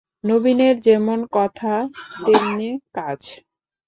নবীনের যেমন কথা তেমনি কাজ।